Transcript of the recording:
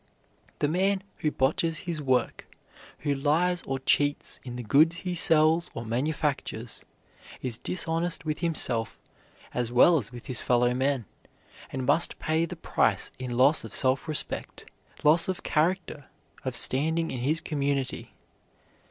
The man who botches his work, who lies or cheats in the goods he sells or manufactures, is dishonest with himself as well as with his fellow men, and must pay the price in loss of self respect, loss of character, of standing in his community.